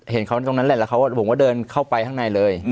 เห็นเขาตรงนั้นแหละแล้วผมก็เดินเข้าไปข้างในเลย